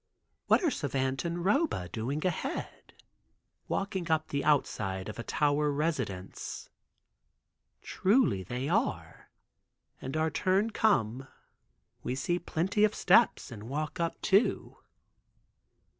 What are Savant and Roba doing ahead, walking up the outside of a tower residence? Truly they are, and our turn come we see plenty of steps and walk up too.